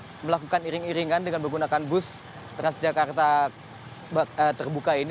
mereka melakukan iring iringan dengan menggunakan bus transjakarta terbuka ini